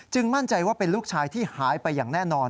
มั่นใจว่าเป็นลูกชายที่หายไปอย่างแน่นอน